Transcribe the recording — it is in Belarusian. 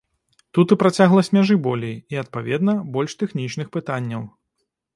Тут і працягласць мяжы болей, і, адпаведна, больш тэхнічных пытанняў.